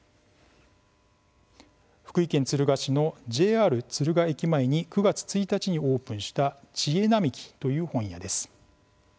福井県敦賀市のＪＲ敦賀駅前に９月１日にオープンした「ちえなみき」という本屋です。